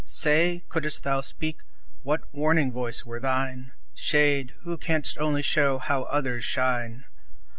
Say, could'st thou speak, what warning voice were thine? Shade, who canst only show how others shine!